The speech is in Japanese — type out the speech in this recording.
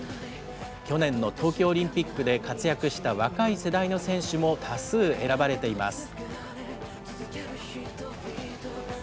去年の東京オリンピックで活躍した若い世代の選手も多数選ばれています。